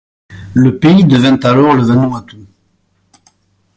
Le pays devint alors le Vanuatu.